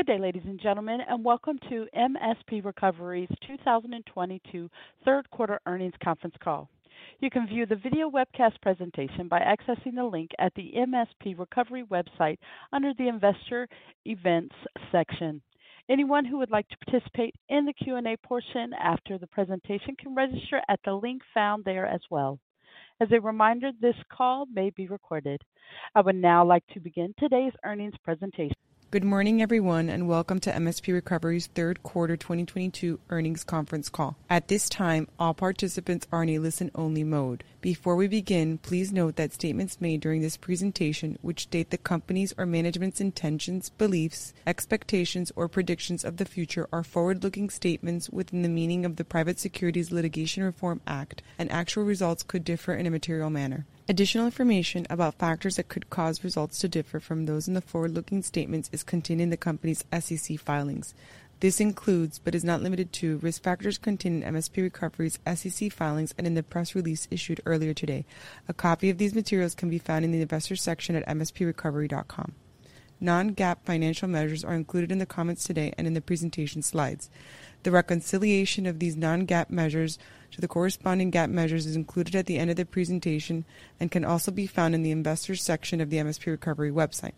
Good day, ladies and gentlemen, and welcome to MSP Recovery's 2022 third quarter earnings conference call. You can view the video webcast presentation by accessing the link at the MSP Recovery website under the Investor Events section. Anyone who would like to participate in the Q&A portion after the presentation can register at the link found there as well. As a reminder, this call may be recorded. I would now like to begin today's earnings presentation. Good morning, everyone, and welcome to MSP Recovery's third quarter 2022 earnings conference call. At this time, all participants are in a listen-only mode. Before we begin, please note that statements made during this presentation which state the company's or management's intentions, beliefs, expectations, or predictions of the future are forward-looking statements within the meaning of the Private Securities Litigation Reform Act and actual results could differ in a material manner. Additional information about factors that could cause results to differ from those in the forward-looking statements is contained in the company's SEC filings. This includes, but is not limited to, risk factors contained in MSP Recovery's SEC filings and in the press release issued earlier today. A copy of these materials can be found in the Investors section at msprecovery.com. Non-GAAP financial measures are included in the comments today and in the presentation slides. The reconciliation of these non-GAAP measures to the corresponding GAAP measures is included at the end of the presentation and can also be found in the Investors section of the MSP Recovery website.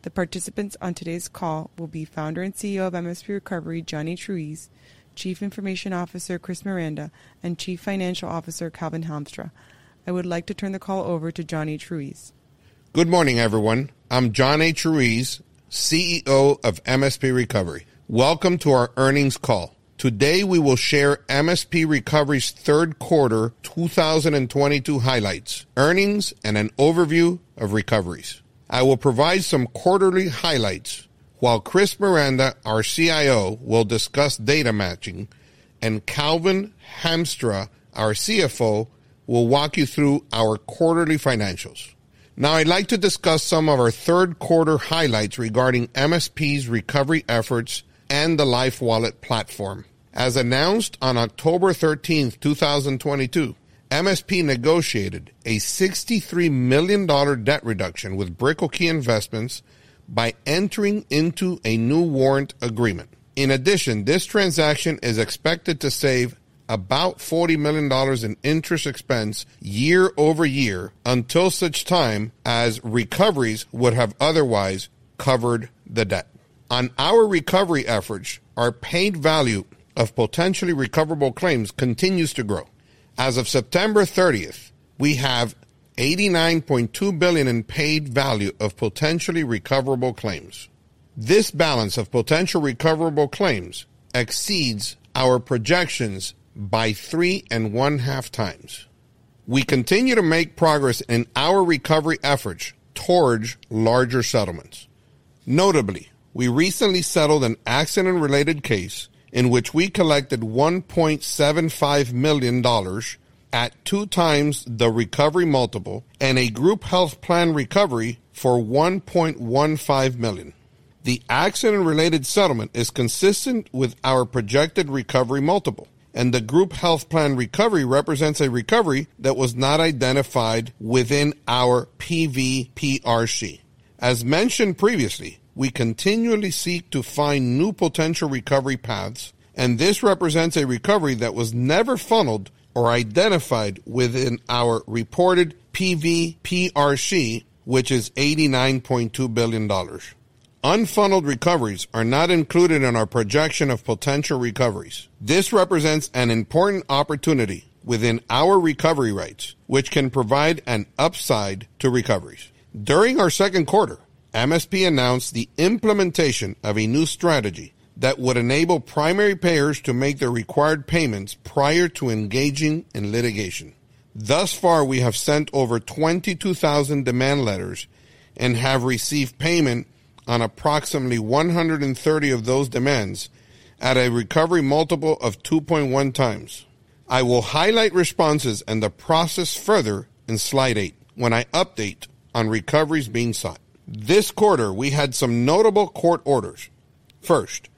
The participants on today's call will be founder and CEO of MSP Recovery, John H. Ruiz, Chief Information Officer, Chris Miranda, and Chief Financial Officer, Calvin Hamstra. I would like to turn the call over to John H. Ruiz. Good morning, everyone. I'm John H. Ruiz, CEO of MSP Recovery. Welcome to our earnings call. Today, we will share MSP Recovery's third quarter 2022 highlights, earnings, and an overview of recoveries. I will provide some quarterly highlights while Chris Miranda, our CIO, will discuss data matching, and Calvin Hamstra, our CFO, will walk you through our quarterly financials. Now I'd like to discuss some of our third quarter highlights regarding MSP's recovery efforts and the LifeWallet platform. As announced on October 13, 2022, MSP negotiated a $63 million debt reduction with Brickell Key Investments by entering into a new warrant agreement. In addition, this transaction is expected to save about $40 million in interest expense year over year until such time as recoveries would have otherwise covered the debt. On our recovery efforts, our paid value of potentially recoverable claims continues to grow. As of September 30, we have $89.2 billion in paid value of potentially recoverable claims. This balance of potential recoverable claims exceeds our projections by 3.5 times. We continue to make progress in our recovery efforts towards larger settlements. Notably, we recently settled an accident-related case in which we collected $1.75 million at 2x the recovery multiple and a group health plan recovery for $1.15 million. The accident-related settlement is consistent with our projected recovery multiple, and the group health plan recovery represents a recovery that was not identified within our PVPRC. As mentioned previously, we continually seek to find new potential recovery paths, and this represents a recovery that was never funneled or identified within our reported PVPRC, which is $89.2 billion. Unfunneled recoveries are not included in our projection of potential recoveries. This represents an important opportunity within our recovery rates, which can provide an upside to recoveries. During our second quarter, MSP announced the implementation of a new strategy that would enable primary payers to make the required payments prior to engaging in litigation. Thus far, we have sent over 22,000 demand letters and have received payment on approximately 130 of those demands at a recovery multiple of 2.1x. I will highlight responses and the process further in slide 8 when I update on recoveries being sought. This quarter, we had some notable court orders. First,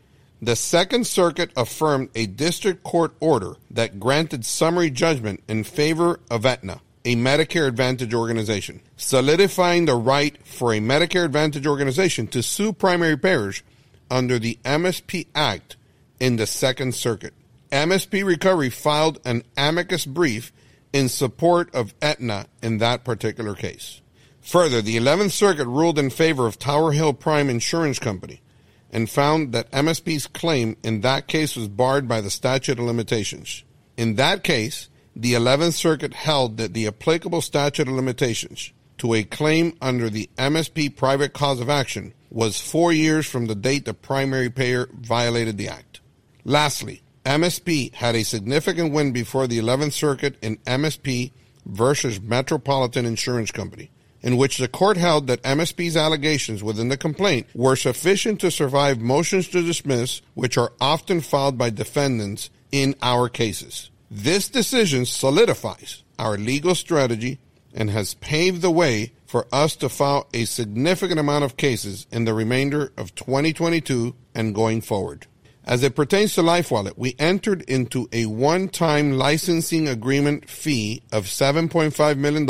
the Second Circuit affirmed a district court order that granted summary judgment in favor of Aetna, a Medicare Advantage organization, solidifying the right for a Medicare Advantage organization to sue primary payers under the MSP Act in the Second Circuit. MSP Recovery filed an amicus brief in support of Aetna in that particular case. Further, the Eleventh Circuit ruled in favor of Tower Hill Prime Insurance Company and found that MSP's claim in that case was barred by the statute of limitations. In that case, the Eleventh Circuit held that the applicable statute of limitations to a claim under the MSP private cause of action was four years from the date the primary payer violated the act. Lastly, MSP had a significant win before the Eleventh Circuit in MSP versus Metropolitan General Insurance Company, in which the court held that MSP's allegations within the complaint were sufficient to survive motions to dismiss, which are often filed by defendants in our cases. This decision solidifies our legal strategy and has paved the way for us to file a significant amount of cases in the remainder of 2022 and going forward. As it pertains to LifeWallet, we entered into a one-time licensing agreement fee of $7.5 million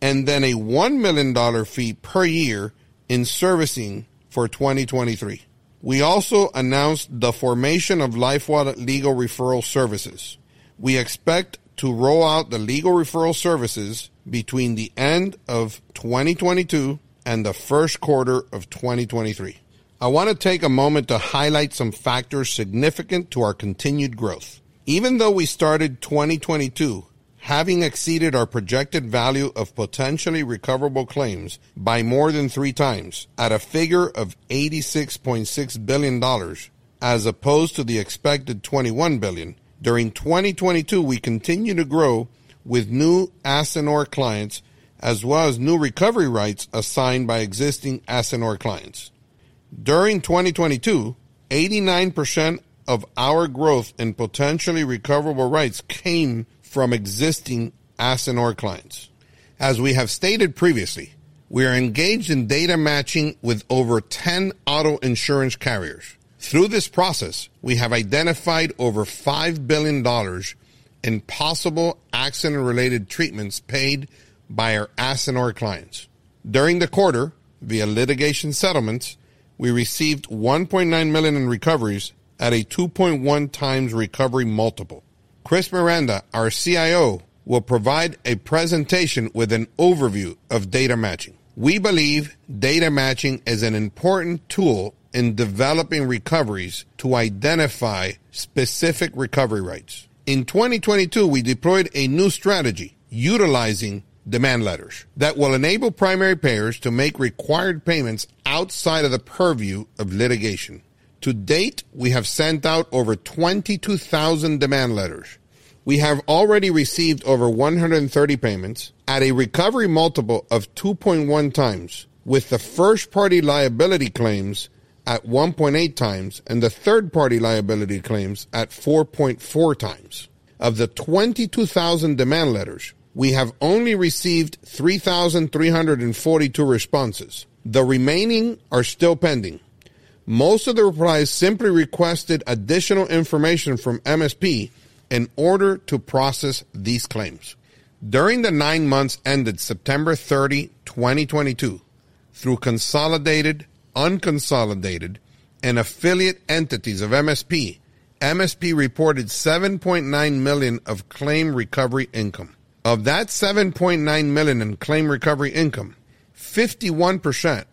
and then a $1 million fee per year in servicing for 2023. We also announced the formation of LifeWallet Legal Referral Services. We expect to roll out the legal referral services between the end of 2022 and the first quarter of 2023. I wanna take a moment to highlight some factors significant to our continued growth. Even though we started 2022 having exceeded our projected value of potentially recoverable claims by more than three times, at a figure of $86.6 billion as opposed to the expected $21 billion, during 2022, we continue to grow with new assignor clients as well as new recovery rights assigned by existing assignor clients. During 2022, 89% of our growth in potentially recoverable rights came from existing assignor clients. As we have stated previously, we are engaged in data matching with over 10 auto insurance carriers. Through this process, we have identified over $5 billion in possible accident-related treatments paid by our assignor clients. During the quarter, via litigation settlements, we received $1.9 million in recoveries at a 2.1x recovery multiple. Chris Miranda, our CIO, will provide a presentation with an overview of data matching. We believe data matching is an important tool in developing recoveries to identify specific recovery rights. In 2022, we deployed a new strategy utilizing demand letters that will enable primary payers to make required payments outside of the purview of litigation. To date, we have sent out over 22,000 demand letters. We have already received over 130 payments at a recovery multiple of 2.1 times, with the first-party liability claims at 1.8 times and the third-party liability claims at 4.4 times. Of the 22,000 demand letters, we have only received 3,342 responses. The remaining are still pending. Most of the replies simply requested additional information from MSP in order to process these claims. During the nine months ended September 30, 2022, through consolidated, unconsolidated, and affiliate entities of MSP reported $7.9 million of claim recovery income. Of that $7.9 million in claim recovery income, 51%,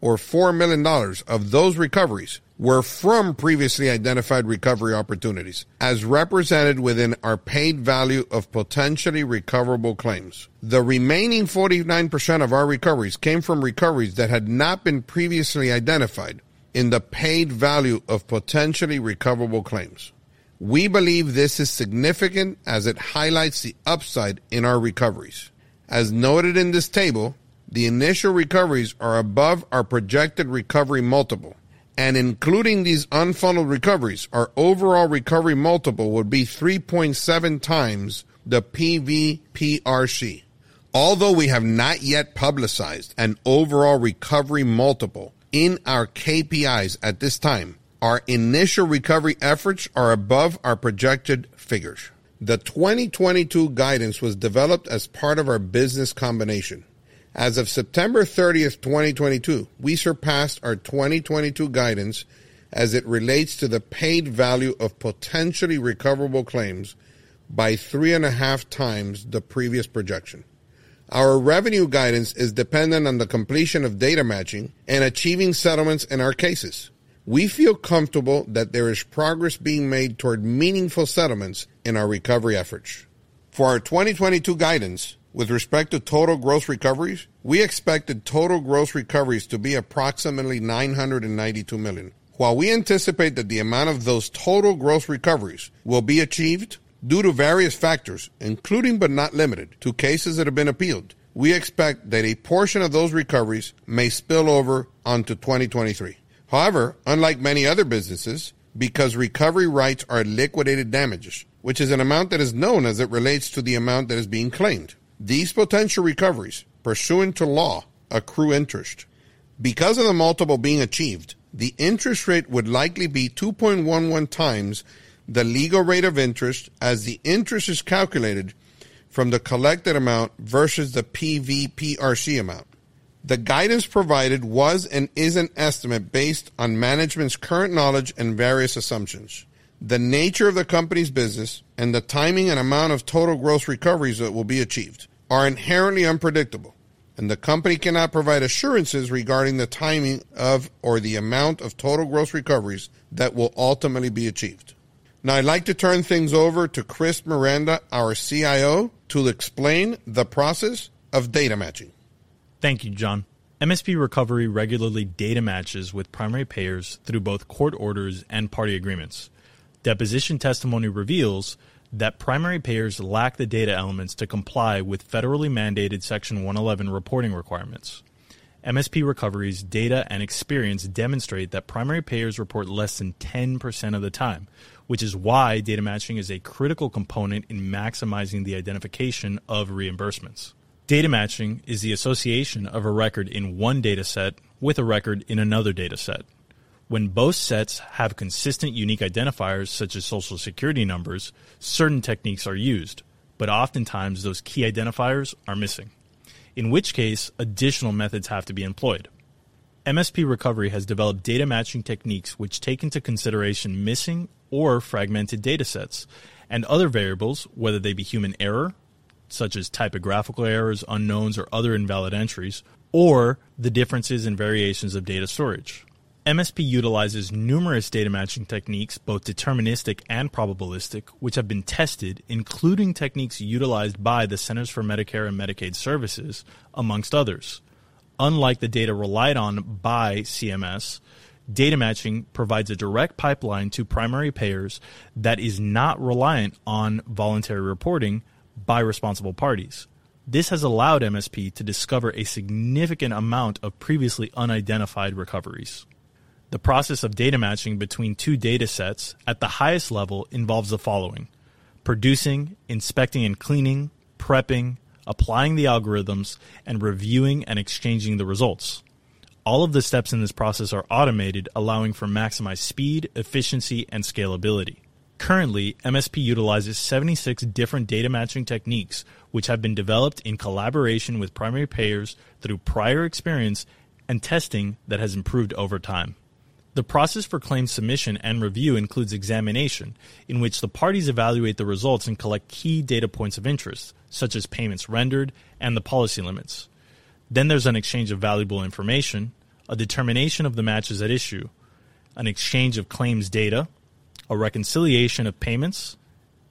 or $4 million of those recoveries were from previously identified recovery opportunities, as represented within our paid value of potentially recoverable claims. The remaining 49% of our recoveries came from recoveries that had not been previously identified in the paid value of potentially recoverable claims. We believe this is significant as it highlights the upside in our recoveries. As noted in this table, the initial recoveries are above our projected recovery multiple, and including these unfunded recoveries, our overall recovery multiple would be 3.7 times the PVPRC. Although we have not yet publicized an overall recovery multiple in our KPIs at this time, our initial recovery efforts are above our projected figures. The 2022 guidance was developed as part of our business combination. As of September 30, 2022, we surpassed our 2022 guidance as it relates to the paid value of potentially recoverable claims by 3.5 times the previous projection. Our revenue guidance is dependent on the completion of data matching and achieving settlements in our cases. We feel comfortable that there is progress being made toward meaningful settlements in our recovery efforts. For our 2022 guidance, with respect to total gross recoveries, we expected total gross recoveries to be approximately $992 million. While we anticipate that the amount of those total gross recoveries will be achieved due to various factors, including but not limited to cases that have been appealed, we expect that a portion of those recoveries may spill over onto 2023. However, unlike many other businesses, because recovery rights are liquidated damages, which is an amount that is known as it relates to the amount that is being claimed, these potential recoveries, pursuant to law, accrue interest. Because of the multiple being achieved, the interest rate would likely be 2.11x the legal rate of interest as the interest is calculated from the collected amount versus the PVPRC amount. The guidance provided was and is an estimate based on management's current knowledge and various assumptions. The nature of the company's business and the timing and amount of total gross recoveries that will be achieved are inherently unpredictable, and the company cannot provide assurances regarding the timing of or the amount of total gross recoveries that will ultimately be achieved. Now I'd like to turn things over to Chris Miranda, our CIO, to explain the process of data matching. Thank you, John. MSP Recovery regularly data matches with primary payers through both court orders and party agreements. Deposition testimony reveals that primary payers lack the data elements to comply with federally mandated Section 111 reporting requirements. MSP Recovery's data and experience demonstrate that primary payers report less than 10% of the time, which is why data matching is a critical component in maximizing the identification of reimbursements. Data matching is the association of a record in one dataset with a record in another dataset. When both sets have consistent unique identifiers, such as Social Security numbers, certain techniques are used, but oftentimes those key identifiers are missing, in which case additional methods have to be employed. MSP Recovery has developed data matching techniques which take into consideration missing or fragmented data sets and other variables, whether they be human error, such as typographical errors, unknowns, or other invalid entries, or the differences in variations of data storage. MSP utilizes numerous data matching techniques, both deterministic and probabilistic, which have been tested, including techniques utilized by the Centers for Medicare and Medicaid Services, among others. Unlike the data relied on by CMS, data matching provides a direct pipeline to primary payers that is not reliant on voluntary reporting by responsible parties. This has allowed MSP to discover a significant amount of previously unidentified recoveries. The process of data matching between two data sets at the highest level involves producing, inspecting and cleaning, prepping, applying the algorithms, and reviewing and exchanging the results. All of the steps in this process are automated, allowing for maximized speed, efficiency, and scalability. Currently, MSP utilizes 76 different data matching techniques, which have been developed in collaboration with primary payers through prior experience and testing that has improved over time. The process for claim submission and review includes examination, in which the parties evaluate the results and collect key data points of interest, such as payments rendered and the policy limits. There's an exchange of valuable information, a determination of the matches at issue, an exchange of claims data, a reconciliation of payments,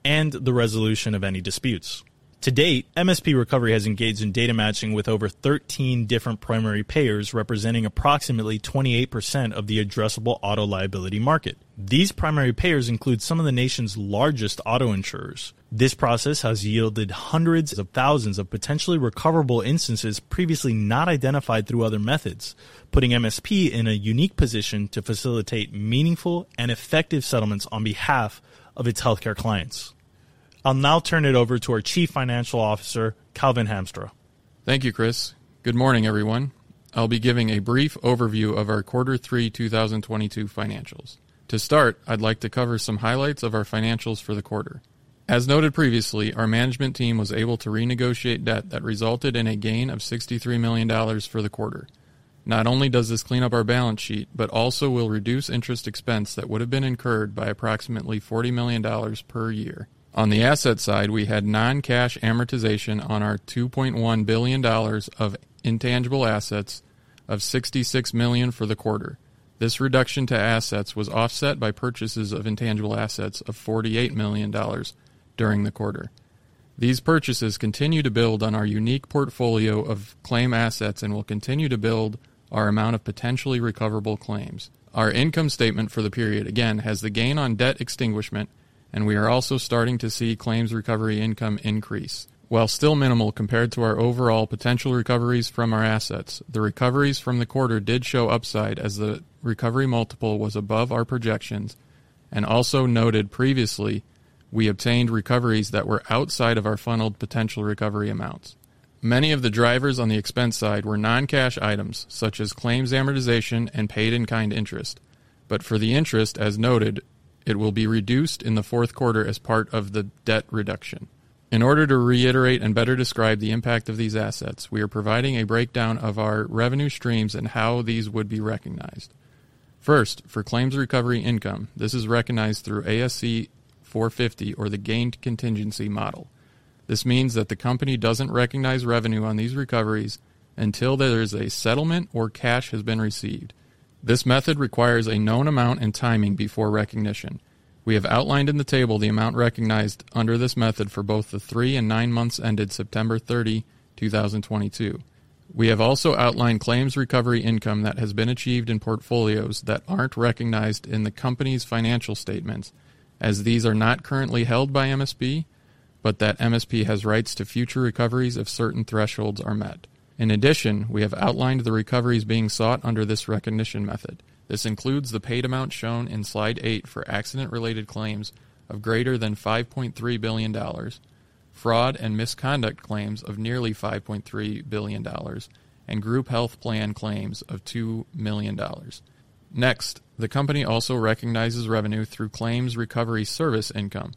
and the resolution of any disputes. To date, MSP Recovery has engaged in data matching with over 13 different primary payers, representing approximately 28% of the addressable auto liability market. These primary payers include some of the nation's largest auto insurers. This process has yielded hundreds of thousands of potentially recoverable instances previously not identified through other methods, putting MSP in a unique position to facilitate meaningful and effective settlements on behalf of its healthcare clients. I'll now turn it over to our Chief Financial Officer, Calvin Hamstra. Thank you, Chris. Good morning, everyone. I'll be giving a brief overview of our Quarter 3 2022 financials. To start, I'd like to cover some highlights of our financials for the quarter. As noted previously, our management team was able to renegotiate debt that resulted in a gain of $63 million for the quarter. Not only does this clean up our balance sheet, but also will reduce interest expense that would have been incurred by approximately $40 million per year. On the asset side, we had non-cash amortization on our $2.1 billion of intangible assets of $66 million for the quarter. This reduction to assets was offset by purchases of intangible assets of $48 million during the quarter. These purchases continue to build on our unique portfolio of claim assets and will continue to build our amount of potentially recoverable claims. Our income statement for the period, again, has the gain on debt extinguishment, and we are also starting to see claims recovery income increase. While still minimal compared to our overall potential recoveries from our assets, the recoveries from the quarter did show upside as the recovery multiple was above our projections, and also noted previously, we obtained recoveries that were outside of our funneled potential recovery amounts. Many of the drivers on the expense side were non-cash items such as claims amortization and paid-in-kind interest. For the interest, as noted, it will be reduced in the fourth quarter as part of the debt reduction. In order to reiterate and better describe the impact of these assets, we are providing a breakdown of our revenue streams and how these would be recognized. First, for claims recovery income, this is recognized through ASC 450 or the gained contingency model. This means that the company doesn't recognize revenue on these recoveries until there is a settlement or cash has been received. This method requires a known amount and timing before recognition. We have outlined in the table the amount recognized under this method for both the three and nine months ended September 30, 2022. We have also outlined claims recovery income that has been achieved in portfolios that aren't recognized in the company's financial statements, as these are not currently held by MSP, but that MSP has rights to future recoveries if certain thresholds are met. In addition, we have outlined the recoveries being sought under this recognition method. This includes the paid amount shown in Slide eight for accident-related claims of greater than $5.3 billion, fraud and misconduct claims of nearly $5.3 billion, and group health plan claims of $2 million. Next, the company also recognizes revenue through claims recovery service income.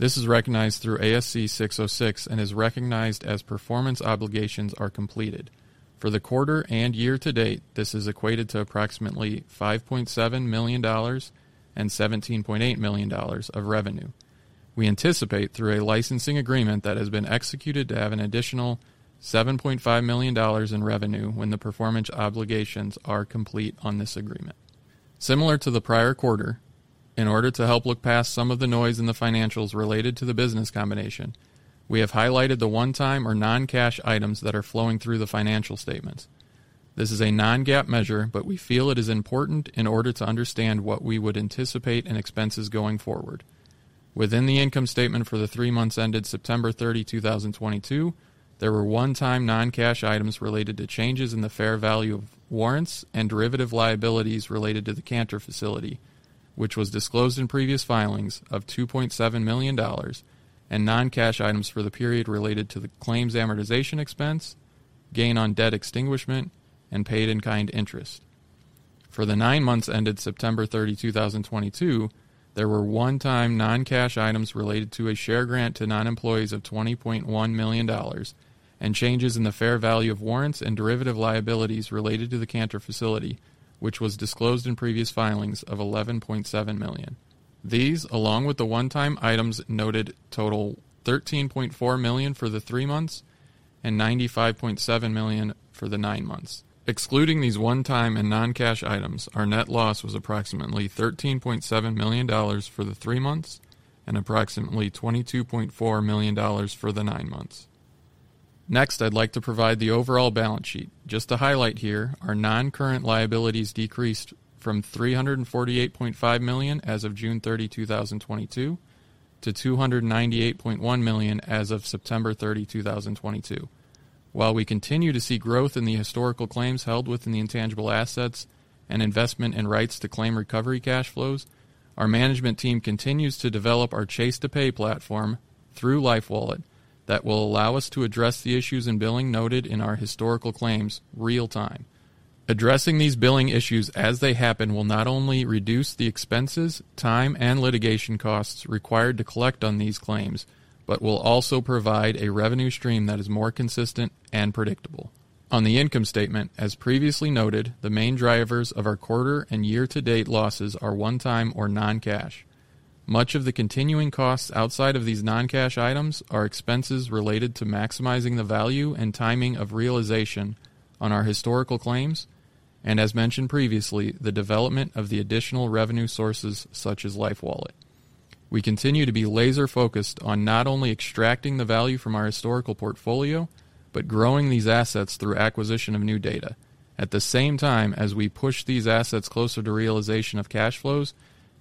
This is recognized through ASC 606 and is recognized as performance obligations are completed. For the quarter and year to date, this is equated to approximately $5.7 million and $17.8 million of revenue. We anticipate through a licensing agreement that has been executed to have an additional $7.5 million in revenue when the performance obligations are complete on this agreement. Similar to the prior quarter, in order to help look past some of the noise in the financials related to the business combination, we have highlighted the one-time or non-cash items that are flowing through the financial statements. This is a non-GAAP measure, but we feel it is important in order to understand what we would anticipate in expenses going forward. Within the income statement for the three months ended September 30, 2022, there were one-time non-cash items related to changes in the fair value of warrants and derivative liabilities related to the Cantor facility, which was disclosed in previous filings of $2.7 million, and non-cash items for the period related to the claims amortization expense, gain on debt extinguishment, and paid-in-kind interest. For the nine months ended September 30, 2022, there were one-time non-cash items related to a share grant to non-employees of $20.1 million and changes in the fair value of warrants and derivative liabilities related to the Cantor facility, which was disclosed in previous filings of $11.7 million. These, along with the one-time items noted, total $13.4 million for the three months and $95.7 million for the nine months. Excluding these one-time and non-cash items, our net loss was approximately $13.7 million for the three months and approximately $22.4 million for the nine months. Next, I'd like to provide the overall balance sheet. Just to highlight here, our non-current liabilities decreased from $348.5 million as of June 30, 2022 to $298.1 million as of September 30, 2022. While we continue to see growth in the historical claims held within the intangible assets and investment in rights to claim recovery cash flows, our management team continues to develop our Chase to Pay platform through LifeWallet that will allow us to address the issues in billing noted in our historical claims real-time. Addressing these billing issues as they happen will not only reduce the expenses, time, and litigation costs required to collect on these claims, but will also provide a revenue stream that is more consistent and predictable. On the income statement, as previously noted, the main drivers of our quarter and year-to-date losses are one-time or non-cash. Much of the continuing costs outside of these non-cash items are expenses related to maximizing the value and timing of realization on our historical claims, and as mentioned previously, the development of the additional revenue sources such as LifeWallet. We continue to be laser-focused on not only extracting the value from our historical portfolio, but growing these assets through acquisition of new data. At the same time, as we push these assets closer to realization of cash flows,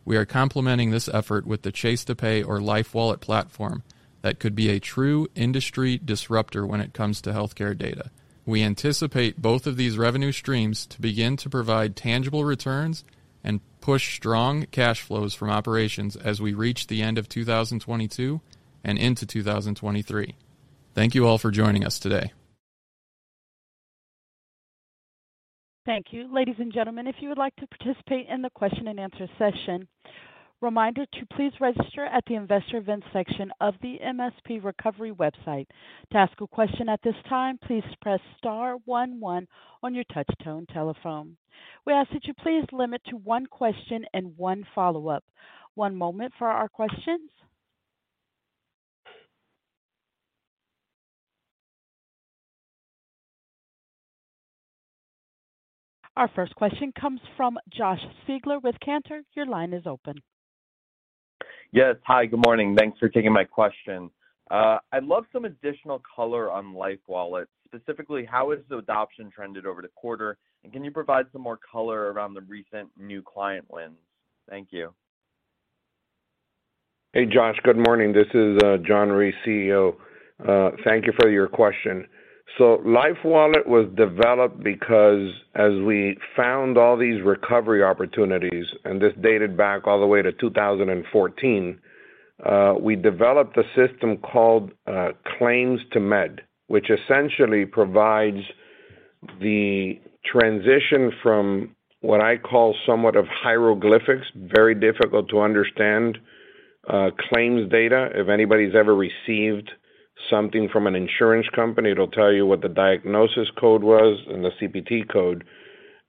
we are complementing this effort with the Chase to Pay or LifeWallet platform that could be a true industry disruptor when it comes to healthcare data. We anticipate both of these revenue streams to begin to provide tangible returns and push strong cash flows from operations as we reach the end of 2022 and into 2023. Thank you all for joining us today. Thank you. Ladies and gentlemen, if you would like to participate in the question and answer session, reminder to please register at the Investor Events section of the MSP Recovery website. To ask a question at this time, please press star one one on your touch tone telephone. We ask that you please limit to one question and one follow-up. One moment for our questions. Our first question comes from Josh Siegler with Cantor. Your line is open. Yes. Hi, good morning. Thanks for taking my question. I'd love some additional color on LifeWallet. Specifically, how has the adoption trended over the quarter, and can you provide some more color around the recent new client wins? Thank you. Hey, Josh. Good morning. This is John H. Ruiz, CEO. Thank you for your question. LifeWallet was developed because as we found all these recovery opportunities, and this dated back all the way to 2014, we developed a system called Claims to Med, which essentially provides the transition from what I call somewhat of hieroglyphics, very difficult to understand, claims data. If anybody's ever received something from an insurance company, it'll tell you what the diagnosis code was and the CPT code,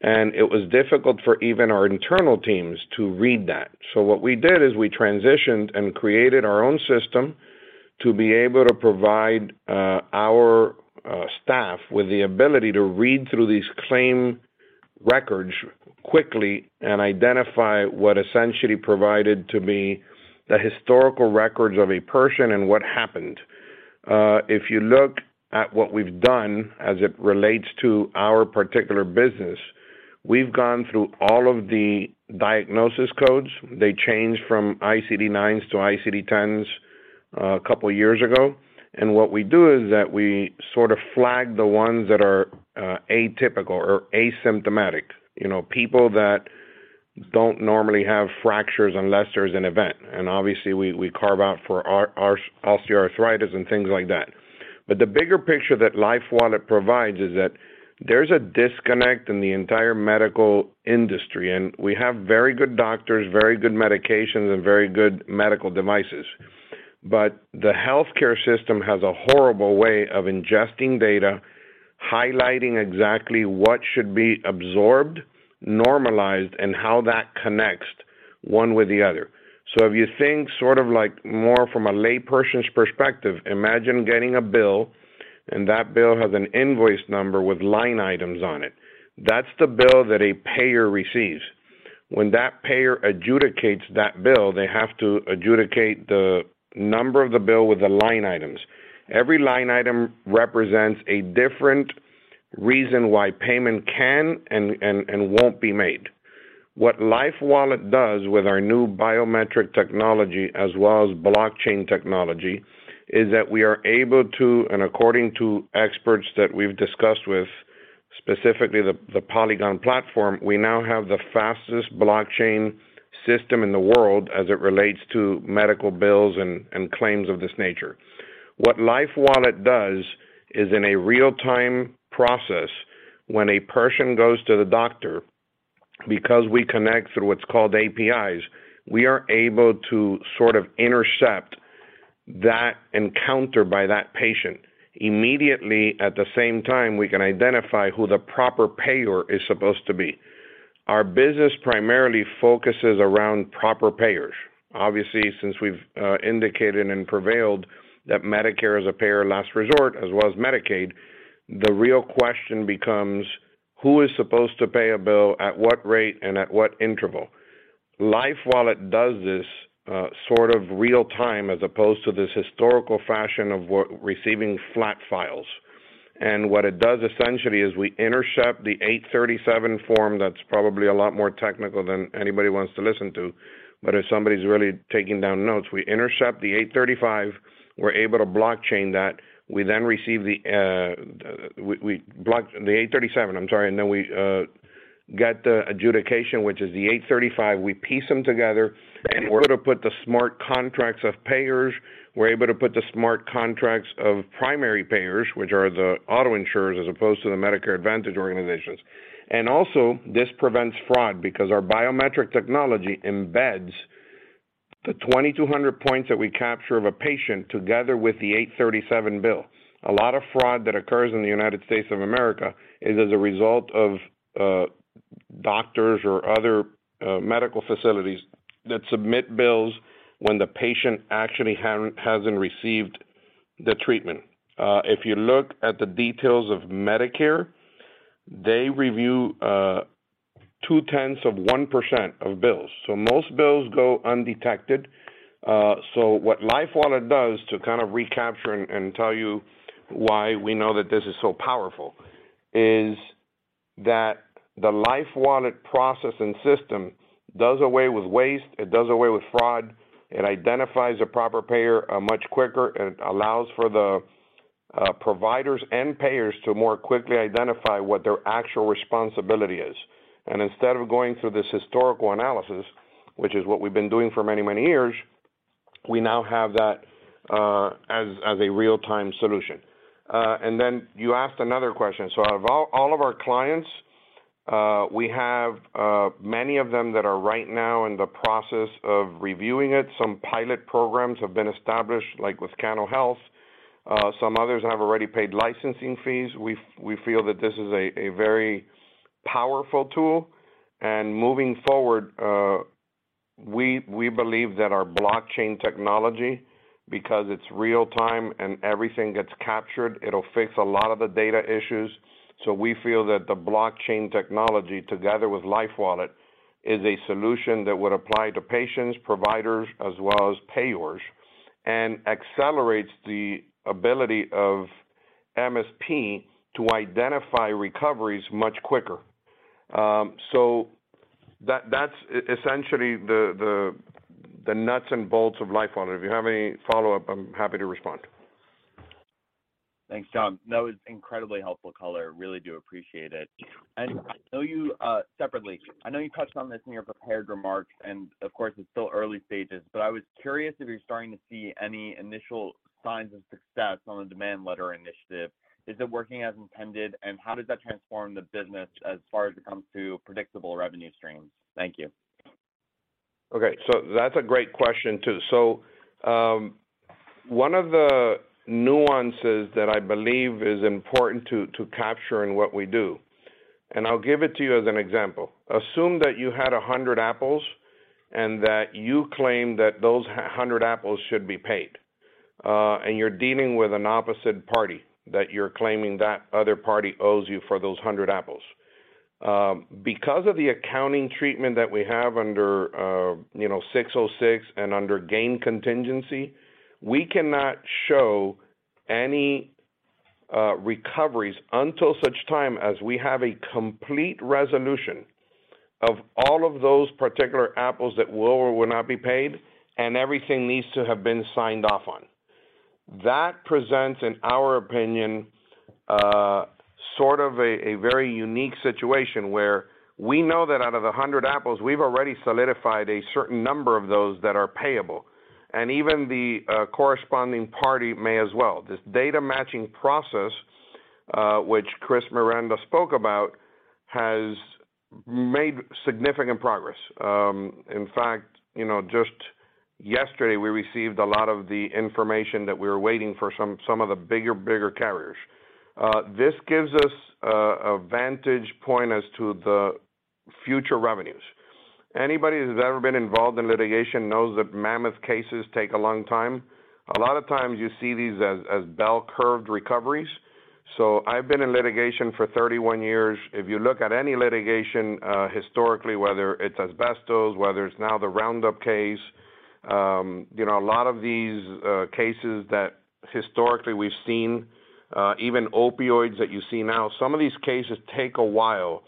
and it was difficult for even our internal teams to read that. What we did is we transitioned and created our own system to be able to provide our staff with the ability to read through these claim records quickly and identify what essentially provided to be the historical records of a person and what happened. If you look at what we've done as it relates to our particular business, we've gone through all of the diagnosis codes. They changed from ICD-9 to ICD-10 a couple years ago. What we do is that we sort of flag the ones that are atypical or asymptomatic. You know, people that don't normally have fractures unless there's an event. Obviously, we carve out for osteoarthritis and things like that. The bigger picture that LifeWallet provides is that there's a disconnect in the entire medical industry, and we have very good doctors, very good medications, and very good medical devices. The healthcare system has a horrible way of ingesting data, highlighting exactly what should be absorbed, normalized, and how that connects one with the other. If you think sort of like more from a layperson's perspective, imagine getting a bill, and that bill has an invoice number with line items on it. That's the bill that a payer receives. When that payer adjudicates that bill, they have to adjudicate the number of the bill with the line items. Every line item represents a different reason why payment can and won't be made. What LifeWallet does with our new biometric technology, as well as blockchain technology, is that we are able to, and according to experts that we've discussed with, specifically the Polygon platform, we now have the fastest blockchain. System in the world as it relates to medical bills and claims of this nature. What LifeWallet does is in a real-time process, when a person goes to the doctor, because we connect through what's called APIs, we are able to sort of intercept that encounter by that patient. Immediately, at the same time, we can identify who the proper payer is supposed to be. Our business primarily focuses around proper payers. Obviously, since we've indicated and prevailed that Medicare is a payer last resort, as well as Medicaid, the real question becomes who is supposed to pay a bill at what rate and at what interval. LifeWallet does this sort of real-time as opposed to this historical fashion of receiving flat files. What it does essentially is we intercept the 837 form that's probably a lot more technical than anybody wants to listen to, but if somebody's really taking down notes, we intercept the 835, we're able to blockchain that. We blockchain the 837, I'm sorry, and then we get the adjudication, which is the 835. We piece them together, and we're able to put the smart contracts of payers. We're able to put the smart contracts of primary payers, which are the auto insurers, as opposed to the Medicare Advantage organizations. This prevents fraud because our biometric technology embeds the 2,200 points that we capture of a patient together with the 837 bill. A lot of fraud that occurs in the United States of America is as a result of doctors or other medical facilities that submit bills when the patient actually hasn't received the treatment. If you look at the details of Medicare, they review 0.2% of bills, so most bills go undetected. What LifeWallet does to kind of recapture and tell you why we know that this is so powerful is that the LifeWallet process and system does away with waste, it does away with fraud, it identifies a proper payer much quicker, and it allows for the providers and payers to more quickly identify what their actual responsibility is. Instead of going through this historical analysis, which is what we've been doing for many, many years, we now have that as a real-time solution. Then you asked another question. Out of all of our clients, we have many of them that are right now in the process of reviewing it. Some pilot programs have been established, like with Cano Health. Some others have already paid licensing fees. We feel that this is a very powerful tool. Moving forward, we believe that our blockchain technology, because it's real-time and everything gets captured, it'll fix a lot of the data issues. We feel that the blockchain technology, together with LifeWallet, is a solution that would apply to patients, providers, as well as payers, and accelerates the ability of MSP to identify recoveries much quicker. That's essentially the nuts and bolts of LifeWallet. If you have any follow-up, I'm happy to respond. Thanks, John. That was incredibly helpful color. Really do appreciate it. And separately, I know you touched on this in your prepared remarks, and of course, it's still early stages, but I was curious if you're starting to see any initial signs of success on the demand letter initiative. Is it working as intended, and how does that transform the business as far as it comes to predictable revenue streams? Thank you. Okay, that's a great question, too. One of the nuances that I believe is important to capture in what we do, and I'll give it to you as an example. Assume that you had 100 apples and that you claim that those 100 apples should be paid, and you're dealing with an opposite party, that you're claiming that other party owes you for those 100 apples. Because of the accounting treatment that we have under you know 606 and under gain contingency, we cannot show any recoveries until such time as we have a complete resolution of all of those particular apples that will or will not be paid and everything needs to have been signed off on. That presents, in our opinion, sort of a very unique situation where we know that out of the 100 apples, we've already solidified a certain number of those that are payable, and even the corresponding party may as well. This data matching process, which Chris Miranda spoke about, has made significant progress. In fact, you know, just yesterday, we received a lot of the information that we were waiting for some of the bigger carriers. This gives us a vantage point as to the future revenues. Anybody who's ever been involved in litigation knows that mammoth cases take a long time. A lot of times you see these as bell curve recoveries. I've been in litigation for 31 years. If you look at any litigation, historically, whether it's asbestos, whether it's now the Roundup case, you know, a lot of these, cases that historically we've seen, even opioids that you see now, some of these cases take a while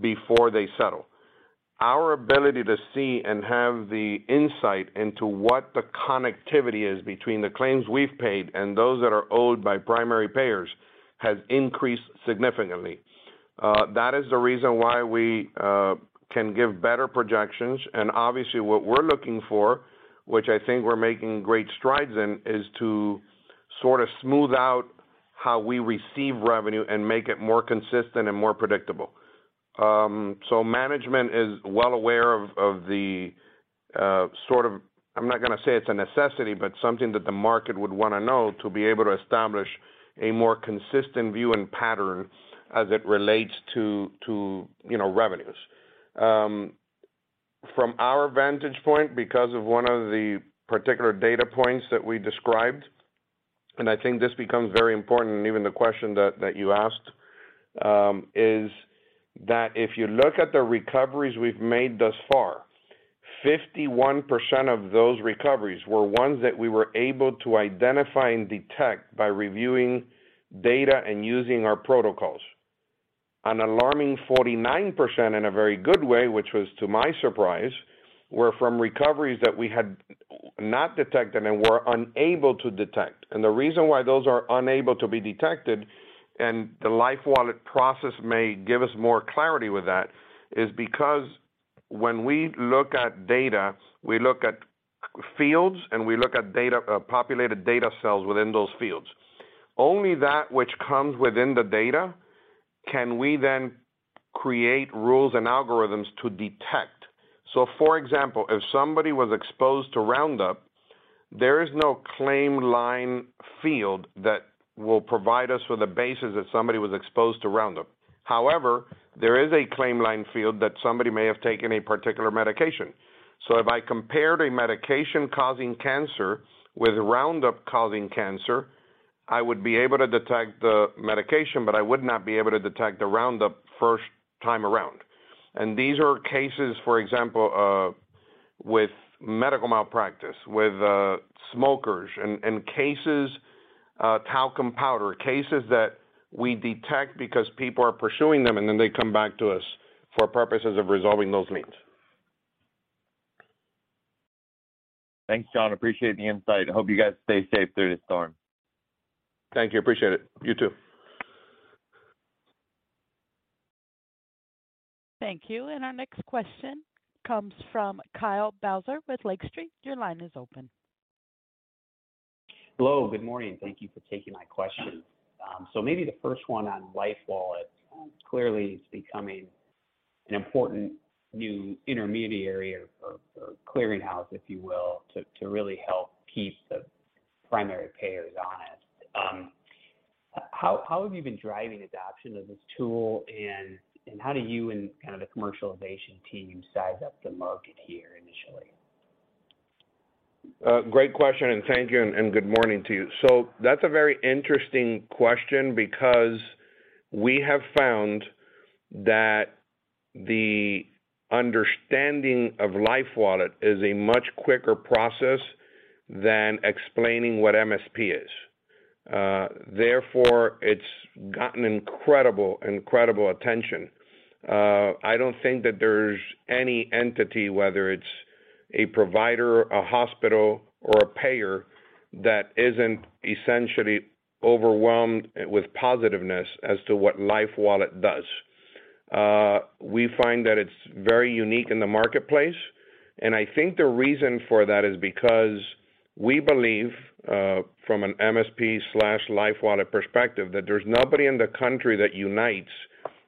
before they settle. Our ability to see and have the insight into what the connectivity is between the claims we've paid and those that are owed by primary payers has increased significantly. That is the reason why we can give better projections. Obviously, what we're looking for, which I think we're making great strides in, is to sort of smooth out how we receive revenue and make it more consistent and more predictable. Management is well aware of the sort of I'm not going to say it's a necessity, but something that the market would want to know to be able to establish a more consistent view and pattern as it relates to you know revenues. From our vantage point, because of one of the particular data points that we described, and I think this becomes very important, and even the question that you asked is that if you look at the recoveries we've made thus far, 51% of those recoveries were ones that we were able to identify and detect by reviewing data and using our protocols. An alarming 49% in a very good way, which was to my surprise, were from recoveries that we had not detected and were unable to detect. The reason why those are unable to be detected, and the LifeWallet process may give us more clarity with that, is because when we look at data, we look at fields, and populated data cells within those fields. Only that which comes within the data can we then create rules and algorithms to detect. For example, if somebody was exposed to Roundup, there is no claim line field that will provide us with a basis if somebody was exposed to Roundup. However, there is a claim line field that somebody may have taken a particular medication. If I compared a medication causing cancer with Roundup causing cancer, I would be able to detect the medication, but I would not be able to detect the Roundup first time around. These are cases, for example, with medical malpractice, with smokers and cases, talcum powder cases that we detect because people are pursuing them, and then they come back to us for purposes of resolving those liens. Thanks, John. Appreciate the insight. Hope you guys stay safe through this storm. Thank you. Appreciate it. You too. Thank you. Our next question comes from Kyle Bauser with Lake Street. Your line is open. Hello. Good morning. Thank you for taking my question. Maybe the first one on LifeWallet. Clearly, it's becoming an important new intermediary or clearing house, if you will, to really help keep the primary payers honest. How have you been driving adoption of this tool, and how do you and kind of the commercialization team size up the market here initially? Great question, and thank you and good morning to you. That's a very interesting question because we have found that the understanding of LifeWallet is a much quicker process than explaining what MSP is. Therefore, it's gotten incredible attention. I don't think that there's any entity, whether it's a provider, a hospital, or a payer, that isn't essentially overwhelmed with positiveness as to what LifeWallet does. We find that it's very unique in the marketplace, and I think the reason for that is because we believe, from an MSP/LifeWallet perspective that there's nobody in the country that unites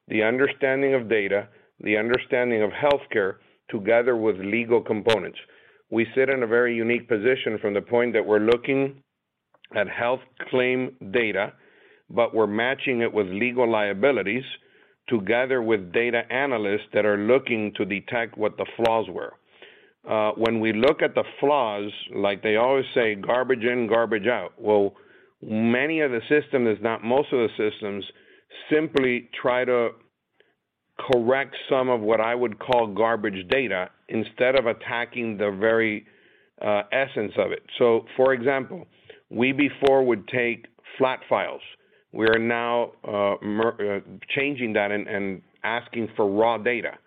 the understanding of data, the understanding of healthcare together with legal components. We sit in a very unique position from the point that we're looking at health claim data, but we're matching it with legal liabilities together with data analysts that are looking to detect what the flaws were. When we look at the flaws, like they always say, "Garbage in, garbage out." Well, many of the systems, if not most of the systems, simply try to correct some of what I would call garbage data instead of attacking the very essence of it. For example, we before would take flat files. We are now changing that and asking for raw data,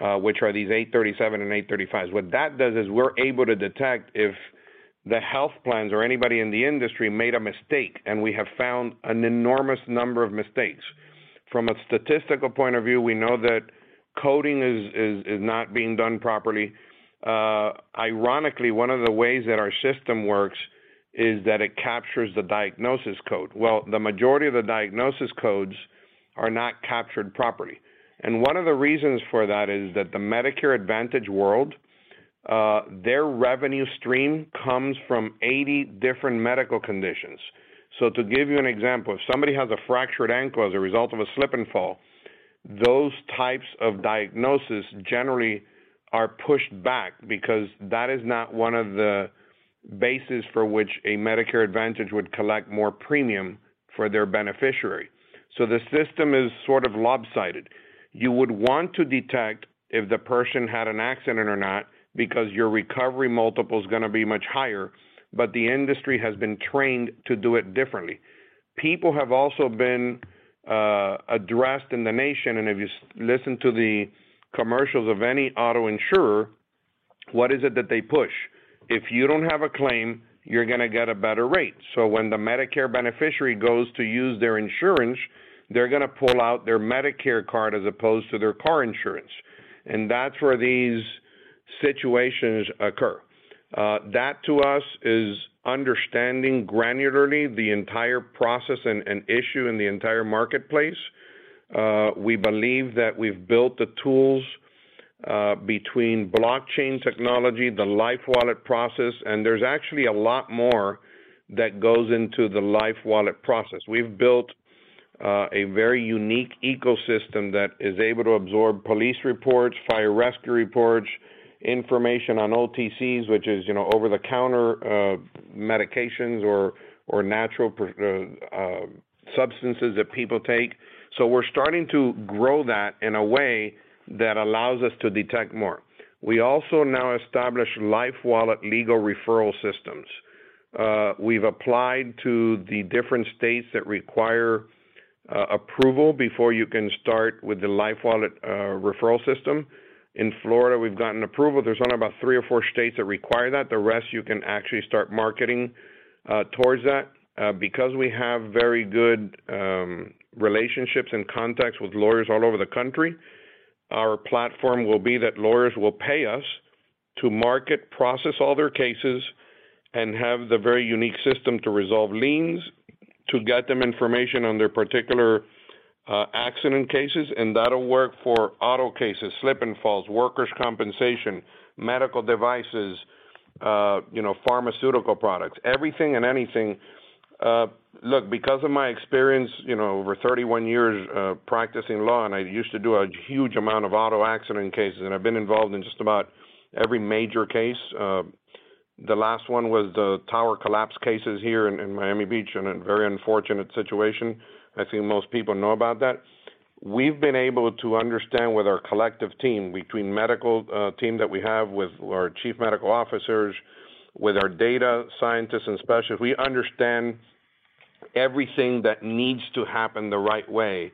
which are these 837 and 835s. What that does is we're able to detect if the health plans or anybody in the industry made a mistake, and we have found an enormous number of mistakes. From a statistical point of view, we know that coding is not being done properly. Ironically, one of the ways that our system works is that it captures the diagnosis code. Well, the majority of the diagnosis codes are not captured properly. One of the reasons for that is that the Medicare Advantage world, their revenue stream comes from 80 different medical conditions. To give you an example, if somebody has a fractured ankle as a result of a slip and fall, those types of diagnosis generally are pushed back because that is not one of the bases for which a Medicare Advantage would collect more premium for their beneficiary. The system is sort of lopsided. You would want to detect if the person had an accident or not because your recovery multiple is gonna be much higher, but the industry has been trained to do it differently. People have also been addressed in the nation, and if you listen to the commercials of any auto insurer. What is it that they push? If you don't have a claim, you're gonna get a better rate. When the Medicare beneficiary goes to use their insurance, they're gonna pull out their Medicare card as opposed to their car insurance. That's where these situations occur. That to us is understanding granularly the entire process and issue in the entire marketplace. We believe that we've built the tools between blockchain technology, the LifeWallet process, and there's actually a lot more that goes into the LifeWallet process. We've built a very unique ecosystem that is able to absorb police reports, fire rescue reports, information on OTCs, which is, you know, over-the-counter medications or natural substances that people take. We're starting to grow that in a way that allows us to detect more. We also now establish LifeWallet Legal Referral Services. We've applied to the different states that require approval before you can start with the LifeWallet referral system. In Florida, we've gotten approval. There's only about three or four states that require that. The rest, you can actually start marketing towards that. Because we have very good relationships and contacts with lawyers all over the country, our platform will be that lawyers will pay us to market, process all their cases, and have the very unique system to resolve liens, to get them information on their particular accident cases. That'll work for auto cases, slip and falls, workers' compensation, medical devices, you know, pharmaceutical products. Everything and anything. Look, because of my experience, you know, over 31 years practicing law, and I used to do a huge amount of auto accident cases, and I've been involved in just about every major case. The last one was the tower collapse cases here in Miami Beach in a very unfortunate situation. I think most people know about that. We've been able to understand with our collective team, between medical team that we have with our chief medical officers, with our data scientists and specialists, we understand everything that needs to happen the right way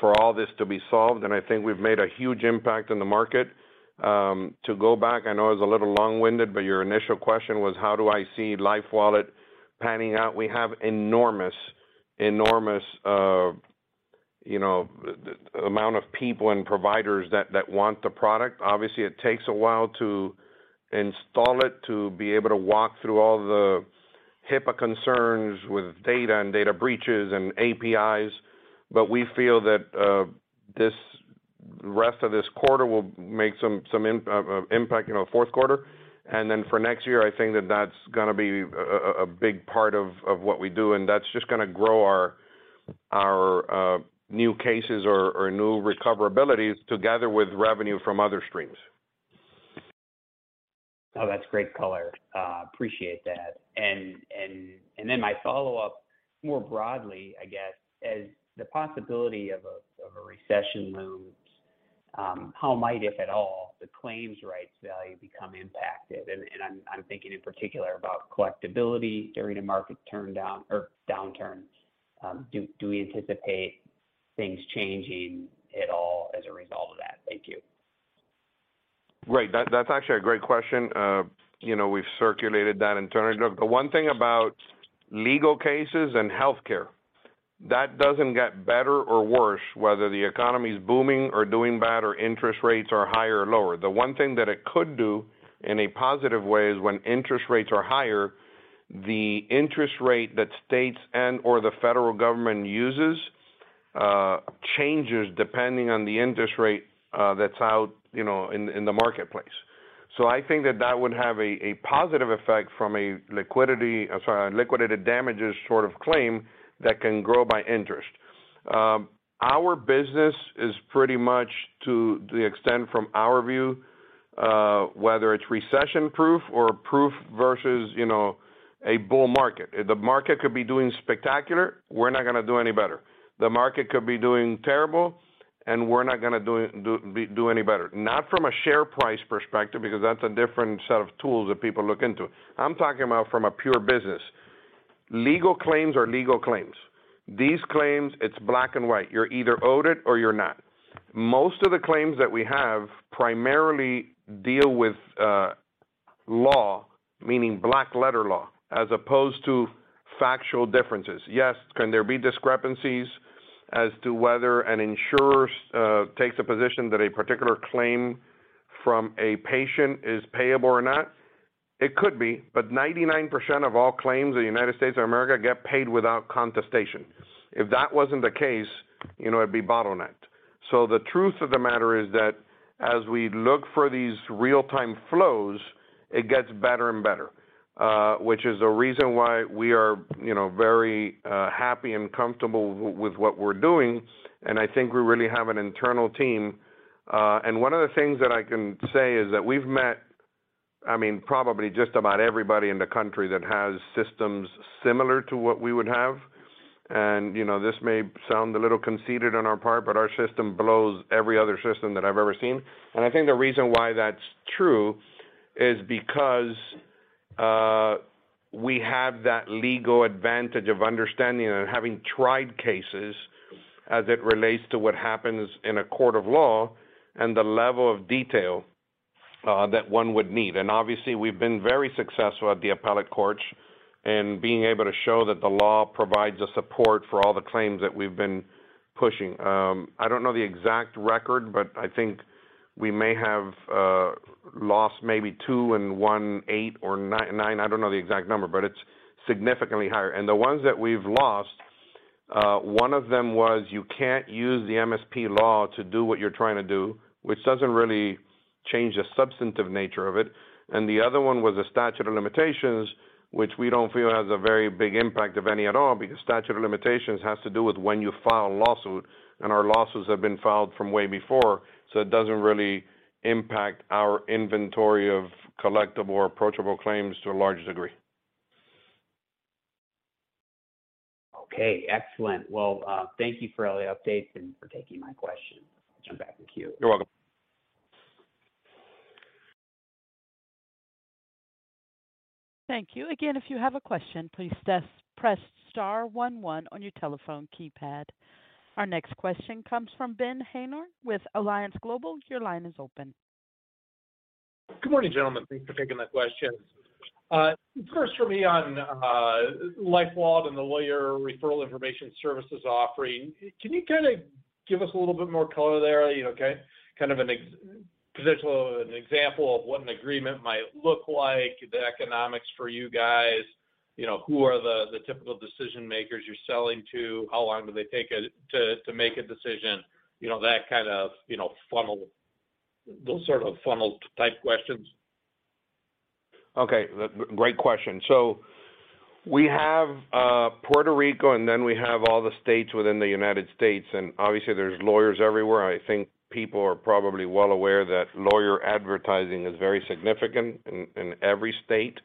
for all this to be solved, and I think we've made a huge impact on the market. To go back, I know I was a little long-winded, but your initial question was, how do I see LifeWallet panning out? We have enormous, you know, amount of people and providers that want the product. Obviously, it takes a while to install it, to be able to walk through all the HIPAA concerns with data and data breaches and APIs, but we feel that the rest of this quarter will make some impact, you know, fourth quarter. For next year, I think that that's gonna be a big part of what we do, and that's just gonna grow our new cases or new recoverabilities together with revenue from other streams. Oh, that's great color. Appreciate that. Then my follow-up more broadly, I guess, as the possibility of a recession looms, how might, if at all, the claims rights value become impacted? I'm thinking in particular about collectibility during a market turn down or downturn. Do we anticipate things changing at all as a result of that? Thank you. Right. That's actually a great question. You know, we've circulated that internally. Look, the one thing about legal cases and healthcare, that doesn't get better or worse, whether the economy is booming or doing bad or interest rates are higher or lower. The one thing that it could do in a positive way is when interest rates are higher, the interest rate that states and/or the federal government uses, changes depending on the interest rate, that's out, you know, in the marketplace. I think that that would have a positive effect from a liquidated damages sort of claim that can grow by interest. Our business is pretty much to the extent from our view, whether it's recession-proof versus, you know, a bull market. The market could be doing spectacular, we're not gonna do any better. The market could be doing terrible, and we're not gonna do any better. Not from a share price perspective, because that's a different set of tools that people look into. I'm talking about from a pure business. Legal claims are legal claims. These claims, it's black and white. You're either owed it or you're not. Most of the claims that we have primarily deal with law, meaning black letter law, as opposed to factual differences. Yes, can there be discrepancies as to whether an insurer takes a position that a particular claim from a patient is payable or not? It could be, but 99% of all claims in the United States of America get paid without contestation. If that wasn't the case, you know, it'd be bottlenecked. The truth of the matter is that as we look for these real-time flows, it gets better and better, which is the reason why we are, you know, very, happy and comfortable with what we're doing, and I think we really have an internal team. One of the things that I can say is that we've met, I mean, probably just about everybody in the country that has systems similar to what we would have. You know, this may sound a little conceited on our part, but our system blows every other system that I've ever seen. I think the reason why that's true is because we have that legal advantage of understanding and having tried cases as it relates to what happens in a court of law and the level of detail that one would need. Obviously, we've been very successful at the appellate courts and being able to show that the law provides the support for all the claims that we've been pushing. I don't know the exact record, but I think we may have lost maybe two out of eight or nine. I don't know the exact number, but it's significantly higher. The ones that we've lost, one of them was, you can't use the MSP law to do what you're trying to do, which doesn't really change the substantive nature of it. The other one was a statute of limitations, which we don't feel has a very big impact, if any at all, because statute of limitations has to do with when you file a lawsuit. Our lawsuits have been filed from way before, so it doesn't really impact our inventory of collectible or approachable claims to a large degree. Okay, excellent. Well, thank you for all the updates and for taking my question. I'll jump back in queue. You're welcome. Thank you. Again, if you have a question, please press star one one on your telephone keypad. Our next question comes from Benjamin Haynor with Alliance Global Partners. Your line is open. Good morning, gentlemen. Thanks for taking the questions. First for me on LifeWallet and the Lawyer Referral Information Services offering, can you kinda give us a little bit more color there? Okay, kind of an example of what an agreement might look like, the economics for you guys, you know, who are the typical decision-makers you're selling to, how long do they take to make a decision? You know, that kind of funnel. Those sort of funnel-type questions. Okay, great question. We have Puerto Rico, and then we have all the states within the United States. Obviously there's lawyers everywhere. I think people are probably well aware that lawyer advertising is very significant in every state.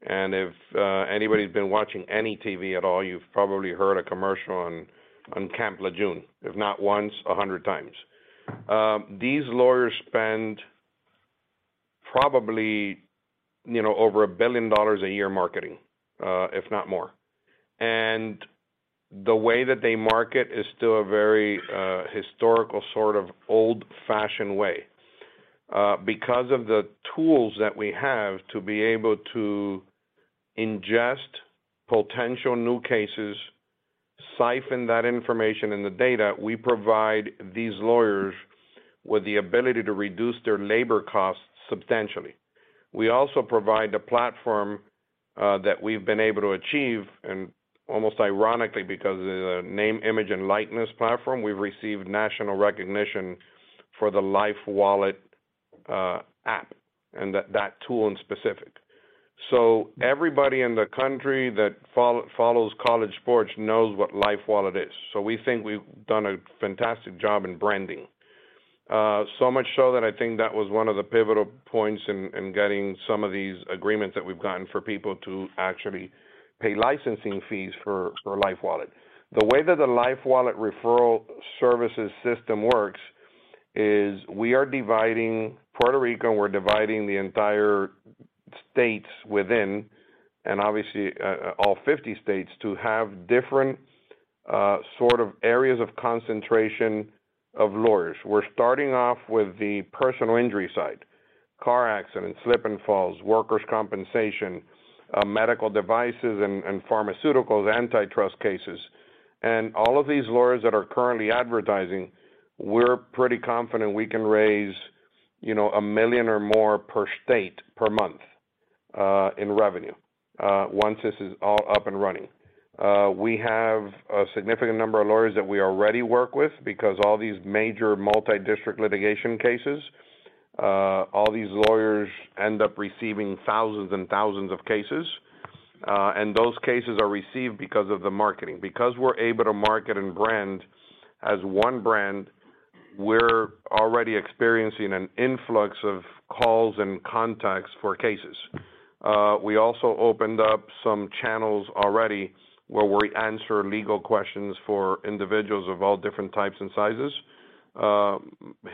If anybody's been watching any TV at all, you've probably heard a commercial on Camp Lejeune, if not once, 100 times. These lawyers spend probably, you know, over $1 billion a year marketing, if not more. The way that they market is still a very historical, sort of old-fashioned way. Because of the tools that we have to be able to ingest potential new cases, siphon that information and the data, we provide these lawyers with the ability to reduce their labor costs substantially. We also provide a platform that we've been able to achieve, and almost ironically, because of the name, image, and likeness platform, we've received national recognition for the LifeWallet app and that tool in specific. Everybody in the country that follows college sports knows what LifeWallet is. We think we've done a fantastic job in branding. So much so that I think that was one of the pivotal points in getting some of these agreements that we've gotten for people to actually pay licensing fees for LifeWallet. The way that the LifeWallet referral services system works is we are dividing Puerto Rico, and we're dividing the entire states within, and obviously, all 50 states to have different, sort of areas of concentration of lawyers. We're starting off with the personal injury side, car accidents, slip and falls, workers' compensation, medical devices and pharmaceuticals, antitrust cases. All of these lawyers that are currently advertising, we're pretty confident we can raise, you know, $1 million or more per state per month in revenue once this is all up and running. We have a significant number of lawyers that we already work with because all these major multi-district litigation cases, all these lawyers end up receiving thousands and thousands of cases, and those cases are received because of the marketing. Because we're able to market and brand as one brand, we're already experiencing an influx of calls and contacts for cases. We also opened up some channels already where we answer legal questions for individuals of all different types and sizes.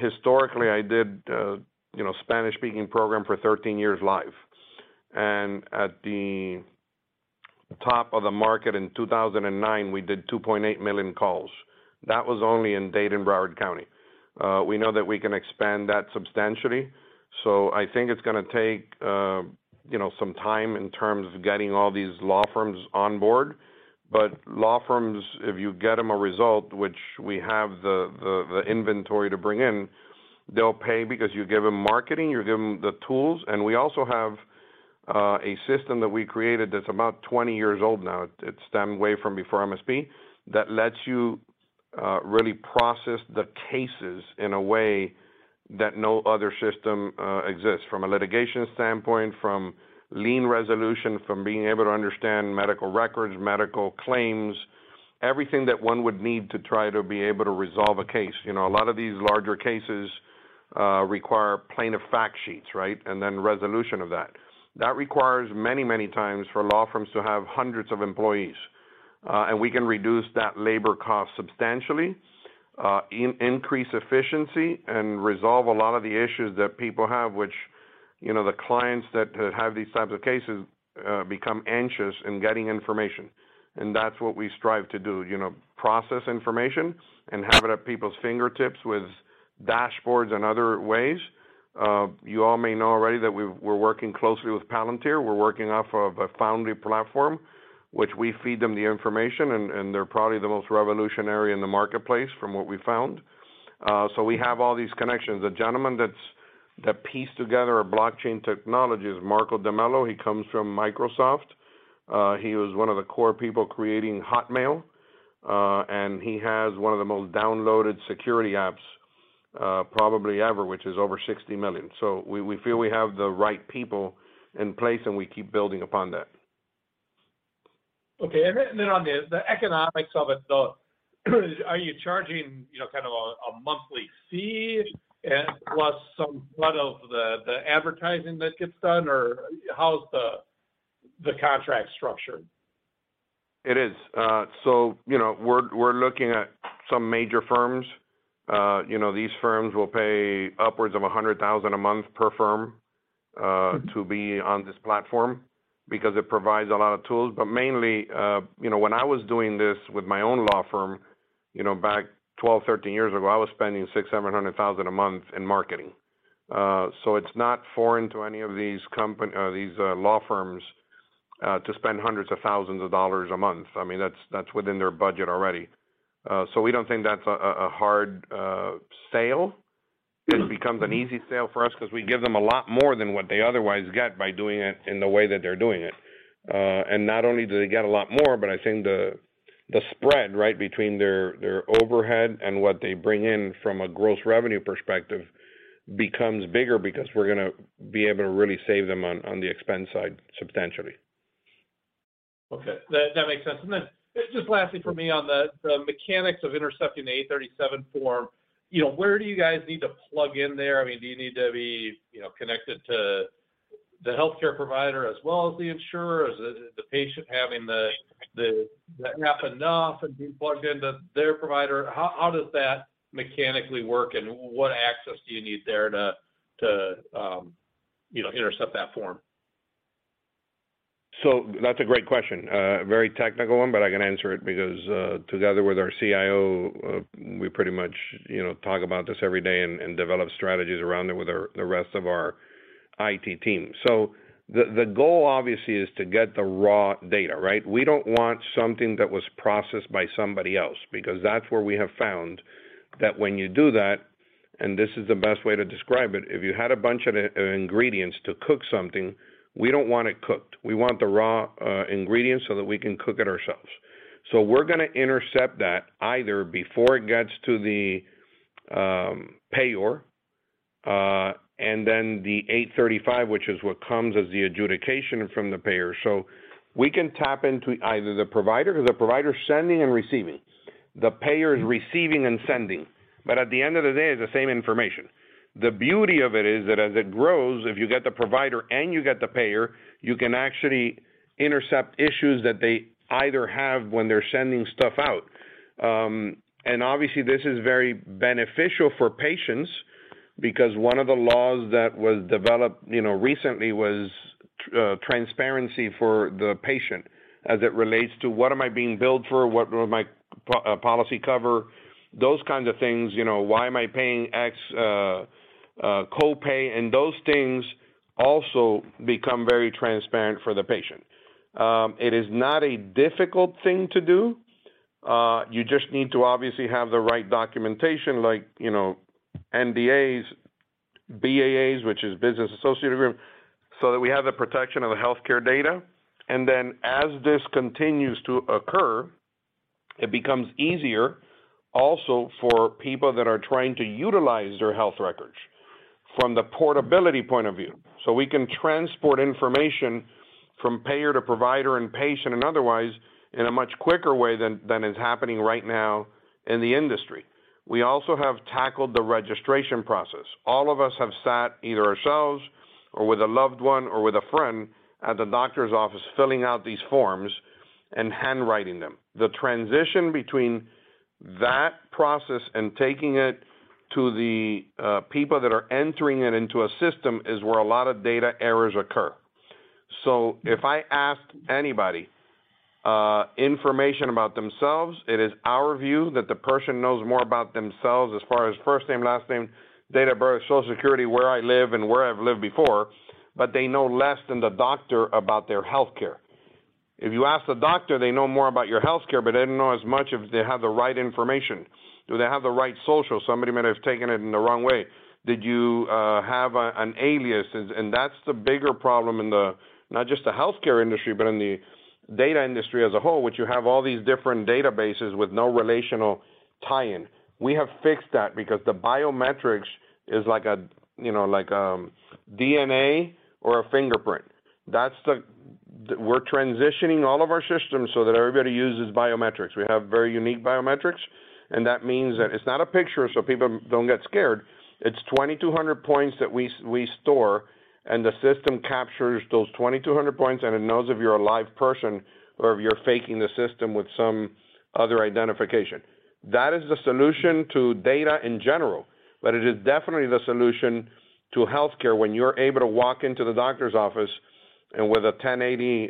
Historically, I did, you know, Spanish-speaking program for 13 years live. At the top of the market in 2009, we did 2.8 million calls. That was only in Dade and Broward County. We know that we can expand that substantially. I think it's gonna take, you know, some time in terms of getting all these law firms on board. Law firms, if you get them a result, which we have the inventory to bring in, they'll pay because you give them marketing, you give them the tools. We also have a system that we created that's about 20 years old now. It stemmed way from before MSP, that lets you really process the cases in a way that no other system exists. From a litigation standpoint, from lien resolution, from being able to understand medical records, medical claims, everything that one would need to try to be able to resolve a case. You know, a lot of these larger cases require plaintiff fact sheets, right? Then resolution of that. That requires many, many times for law firms to have hundreds of employees. We can reduce that labor cost substantially, increase efficiency and resolve a lot of the issues that people have, which, you know, the clients that have these types of cases become anxious in getting information. That's what we strive to do, you know, process information and have it at people's fingertips with dashboards and other ways. You all may know already that we're working closely with Palantir. We're working off of a Foundry platform, which we feed them the information, and they're probably the most revolutionary in the marketplace from what we found. We have all these connections. The gentleman that pieced together a blockchain technology is Marco DeMello. He comes from Microsoft. He was one of the core people creating Hotmail, and he has one of the most downloaded security apps, probably ever, which is over 60 million. We feel we have the right people in place, and we keep building upon that. Okay. On the economics of it, though, are you charging, you know, kind of a monthly fee and plus some part of the advertising that gets done, or how's the contract structured? It is. You know, we're looking at some major firms. You know, these firms will pay upwards of $100,000 a month per firm to be on this platform because it provides a lot of tools. Mainly, you know, when I was doing this with my own law firm, you know, back 12, 13 years ago, I was spending $600,000-$700,000 a month in marketing. It's not foreign to any of these law firms to spend hundreds of thousands of dollars a month. I mean, that's within their budget already. We don't think that's a hard sale. It becomes an easy sale for us 'cause we give them a lot more than what they otherwise get by doing it in the way that they're doing it. Not only do they get a lot more, but I think the spread, right, between their overhead and what they bring in from a gross revenue perspective becomes bigger because we're gonna be able to really save them on the expense side substantially. Okay. That makes sense. Then just lastly from me on the mechanics of intercepting the 837 form, you know, where do you guys need to plug in there? I mean, do you need to be, you know, connected to the healthcare provider as well as the insurer? Is the patient having the app enough and being plugged into their provider? How does that mechanically work, and what access do you need there to, you know, intercept that form? That's a great question. A very technical one, but I can answer it because, together with our CIO, we pretty much, you know, talk about this every day and develop strategies around it with the rest of our IT team. The goal obviously is to get the raw data, right? We don't want something that was processed by somebody else because that's where we have found that when you do that, and this is the best way to describe it, if you had a bunch of ingredients to cook something, we don't want it cooked. We want the raw ingredients so that we can cook it ourselves. We're gonna intercept that either before it gets to the payer, and then the 835, which is what comes as the adjudication from the payer. We can tap into either the provider, 'cause the provider's sending and receiving. The payer is receiving and sending. At the end of the day, it's the same information. The beauty of it is that as it grows, if you get the provider and you get the payer, you can actually intercept issues that they either have when they're sending stuff out. Obviously, this is very beneficial for patients because one of the laws that was developed, you know, recently was transparency for the patient as it relates to what am I being billed for, what will my policy cover, those kinds of things, you know, why am I paying X copay. Those things also become very transparent for the patient. It is not a difficult thing to do. You just need to obviously have the right documentation like, you know, NDAs, BAAs, which is business associate agreement, so that we have the protection of the healthcare data. As this continues to occur, it becomes easier also for people that are trying to utilize their health records from the portability point of view. We can transport information from payer to provider and patient and otherwise in a much quicker way than is happening right now in the industry. We also have tackled the registration process. All of us have sat either ourselves or with a loved one or with a friend at the doctor's office, filling out these forms and handwriting them. The transition between that process and taking it to the people that are entering it into a system is where a lot of data errors occur. If I asked anybody, information about themselves, it is our view that the person knows more about themselves as far as first name, last name, date of birth, Social Security, where I live and where I've lived before, but they know less than the doctor about their healthcare. If you ask the doctor, they know more about your healthcare, but they didn't know as much if they have the right information. Do they have the right Social? Somebody might have taken it in the wrong way. Did you have an alias? That's the bigger problem in the, not just the healthcare industry but in the data industry as a whole, which you have all these different databases with no relational tie-in. We have fixed that because the biometrics is like a, you know, like, DNA or a fingerprint. We're transitioning all of our systems so that everybody uses biometrics. We have very unique biometrics, and that means that it's not a picture, so people don't get scared. It's 2,200 points that we store, and the system captures those 2,200 points, and it knows if you're a live person or if you're faking the system with some other identification. That is the solution to data in general, but it is definitely the solution to healthcare when you're able to walk into the doctor's office and with a 1080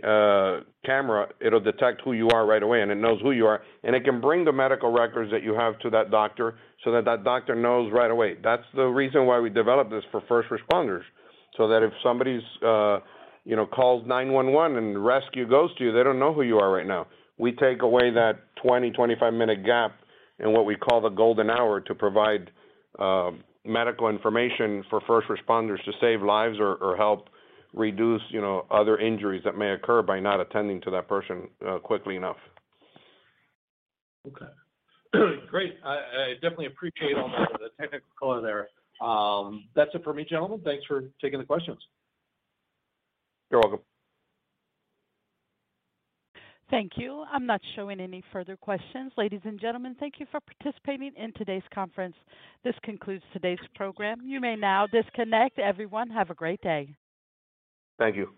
camera, it'll detect who you are right away, and it knows who you are. It can bring the medical records that you have to that doctor so that that doctor knows right away. That's the reason why we developed this for first responders, so that if somebody's, you know, calls 911 and rescue goes to you, they don't know who you are right now. We take away that 20-25-minute gap in what we call the golden hour to provide medical information for first responders to save lives or help reduce, you know, other injuries that may occur by not attending to that person quickly enough. Okay. Great. I definitely appreciate all the technical there. That's it for me, gentlemen. Thanks for taking the questions. You're welcome. Thank you. I'm not showing any further questions. Ladies and gentlemen, thank you for participating in today's conference. This concludes today's program. You may now disconnect. Everyone, have a great day. Thank you.